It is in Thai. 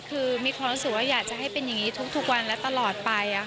คือมีความรู้สึกว่าอยากจะให้เป็นอย่างนี้ทุกวันและตลอดไป